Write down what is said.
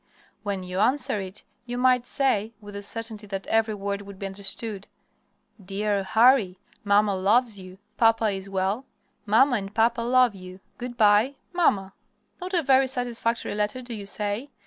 When you answer it you might say, with the certainty that every word would be understood: "DEAR HARRY: "Mamma loves you. Papa is well. Mamma and Papa love you. "Good by. MAMMA." Not a very satisfactory letter, do you say?